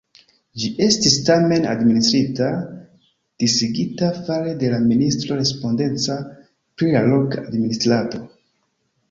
Ĝi estis tamen, administrita disigita fare de la ministro respondeca pri la loka administrado.